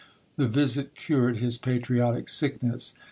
The visit cured his patriotic sickness.